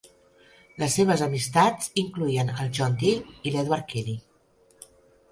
Les seves amistats incloïen el John Dee i l"Edward Kelley.